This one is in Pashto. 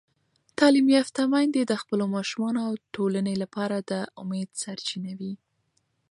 تعلیم یافته میندې د خپلو ماشومانو او ټولنې لپاره د امید سرچینه وي.